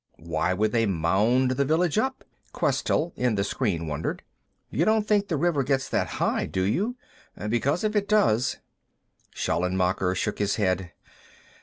"Why would they mound the village up?" Questell, in the screen wondered. "You don't think the river gets up that high, do you? Because if it does " Schallenmacher shook his head.